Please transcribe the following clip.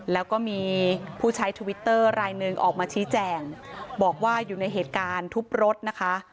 แล้วก็มีผู้ใช้ทวิตเตอร์รายหนึ่งออกมาชี้แจงบอกว่าอยู่ในเหตุการณ์ทุบรถนะคะ